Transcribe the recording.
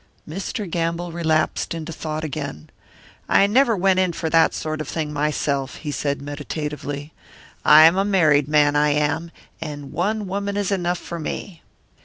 Mr. Gamble relapsed into thought again. "I never went in for that sort of thing myself," he said meditatively; "I am a married man, I am, and one woman is enough for me."